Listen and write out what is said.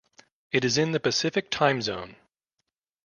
It is in the Pacific time zone.